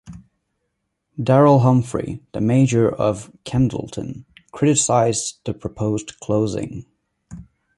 Darryl Humphrey, the mayor of Kendleton, criticized the proposed closing.